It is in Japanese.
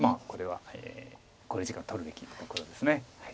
これは考慮時間取るべきところです。